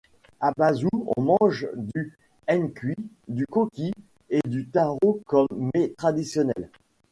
À Bazou, on mange du nkui, du koki et du taro comme met traditionnel.